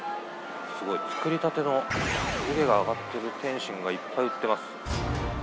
すごい！作りたての湯気が上がってる点心がいっぱい売ってます。